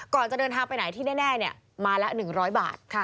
จะเดินทางไปไหนที่แน่มาละ๑๐๐บาท